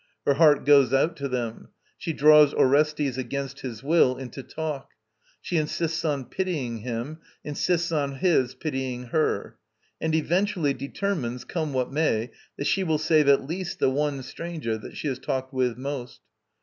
Her heart goes out to them; she draws Orestes against his will into talk; she insists on pitying him, insists on his pitying her; and eventually determines, come what may, that she will save at least the one stranger that she has talked with most.